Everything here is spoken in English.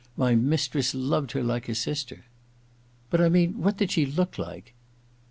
* My mistress loved her like a sister.' • But I mean — what did she look like ?